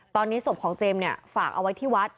ตอนนี้ศพของเจมส์เนี่ยฝากเอาไว้ที่วัด